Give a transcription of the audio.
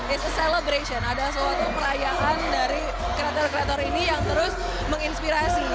it's a celebration ada suatu perayaan dari kreator kreator ini yang terus menginspirasi